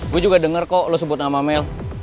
gue juga dengar kok lo sebut nama mel